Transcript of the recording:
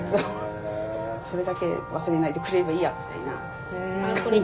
それだけ忘れないでくれればいいやみたいな感じで。